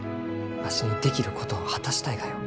わしにできることを果たしたいがよ。